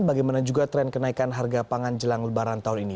bagaimana juga tren kenaikan harga pangan jelang lebaran tahun ini